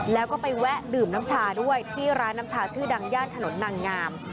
แล้วก็ไปแวะดื่มน้ำชาด้วยที่ร้านน้ำชาชื่อดังย่านถนนนางงาม